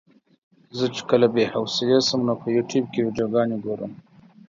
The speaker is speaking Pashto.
زه چې کله بې حوصلې شم نو په يوټيوب کې ويډيوګانې ګورم.